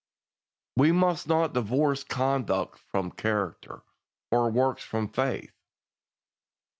We must not divorce conduct from character, or works from faith.